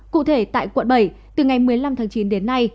cụ thể tại quận bảy từ ngày một mươi năm tháng chín đến nay